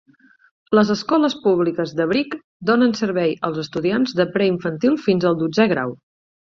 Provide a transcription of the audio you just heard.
Les escoles públiques de Brick donen servei als estudiants de preinfantil fins al dotzè grau.